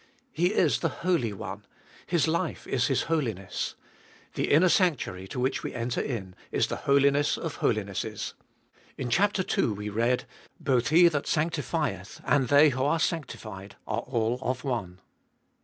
He is the Holy One. His life is His holiness. The inner sanctuary to which we enter in, is the Holiness of Holinesses. In chap. ii. we read : Both He that sanctifieth, and they who are sanctified are all of one.